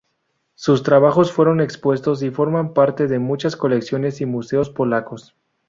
Sus trabajos fueron expuestos y forman parte de muchas colecciones y museos polacos.